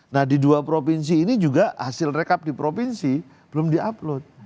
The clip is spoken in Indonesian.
nah di dua provinsi ini juga hasil rekap di provinsi belum di upload